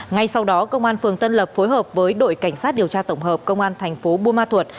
ngay sau đó công an phường tân lập phối hợp với đội cảnh sát điều tra tổng hợp công an thành phố buôn ma thuột